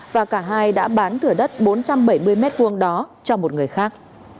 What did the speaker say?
và cả hai đã bán thửa đất bốn trăm bảy mươi m hai đó cho một người khác